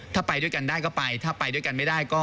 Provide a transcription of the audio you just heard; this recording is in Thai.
ถ้าไปด้วยกันได้ก็ไปถ้าไปด้วยกันไม่ได้ก็